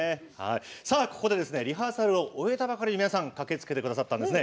ここで、リハーサルを終えたばかりの皆さん駆けつけてくださったんですね。